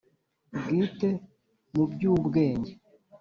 Bwite mu by ubwenge